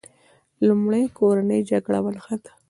لومړی کورنۍ جګړه ونښته.